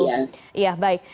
iya iya betul mbak